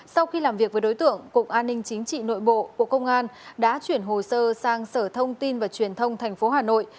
sau khi làm việc với đối tượng cục an ninh chính trị nội bộ bộ công an đã chuyển hồ sơ sang sở thông tin và truyền thông tp hà nội